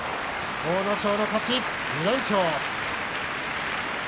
阿武咲の勝ち、２連勝。